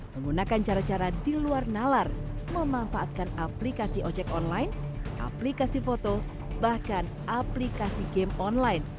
menggunakan cara cara di luar nalar memanfaatkan aplikasi ojek online aplikasi foto bahkan aplikasi game online